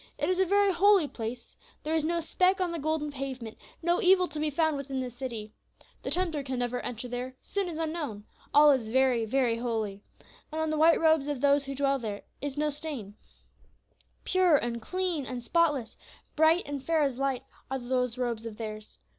It is a very holy place, there is no speck on the golden pavement, no evil to be found within the city. The tempter can never enter there, sin is unknown; all is very, very holy. And on the white robes of those who dwell there is no stain; pure and clean and spotless, bright and fair as light, are those robes of theirs.